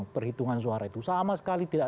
perhitungan suara itu sama sekali tidak